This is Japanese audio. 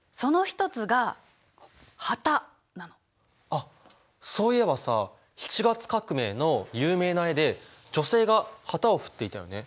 あっそういえばさ７月革命の有名な絵で女性が旗を振っていたよね。